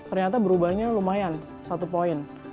ternyata berubahnya lumayan satu poin